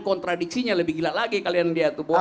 kontradiksinya lebih gila lagi kalian lihat